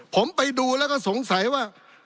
ผมไปดูแล้วก็สงสัยว่า